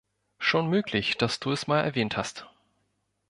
Schon möglich, dass du es mal erwähnt hast.